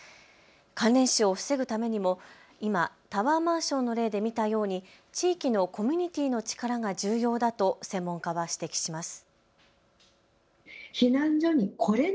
関連死を防ぐためにも今、タワーマンションの例で見たように地域のコミュニティーの力が重要だと専門家は指摘します。